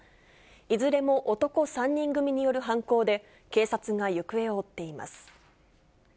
いずれも男３人組による犯行で、警察が行方を追っています。